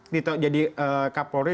di jadi kapolri